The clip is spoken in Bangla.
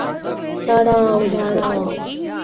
দাঁড়াও, দাঁড়াও।